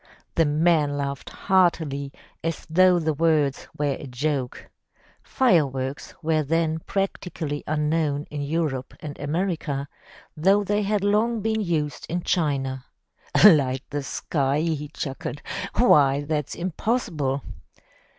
The man laughed heartily as though the words were a joke. Fire works were then practically unknown in Europe and Amer ica, though they had long been used in China. "Light the sky!" he chuckled. "Why, that's impossible."